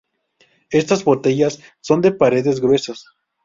Estas botellas son de paredes gruesas.